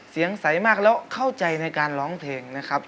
เสียงใสมากแล้วเข้าใจในการร้องเพลงนะครับ